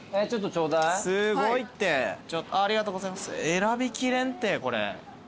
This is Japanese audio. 選びきれんってこれ。